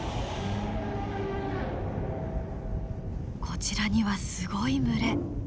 こちらにはすごい群れ。